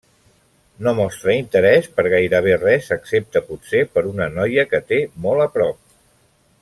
No mostra interès per gairebé res, excepte potser per una noia que té molt prop.